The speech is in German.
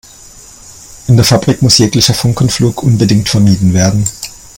In der Fabrik muss jeglicher Funkenflug unbedingt vermieden werden.